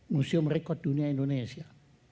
museum rekod dunia indonesia